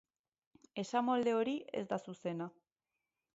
Esamolde hori ez da zuzena.